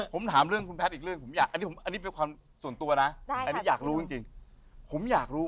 เคยแอบชอบไหม